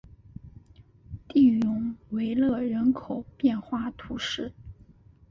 蒂永维勒人口变化图示